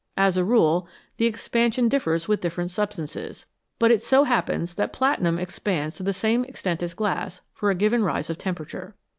As a rule, the expansion differs with different substances, but it so happens that platinum expands to the same extent as glass for a given rise of temperature.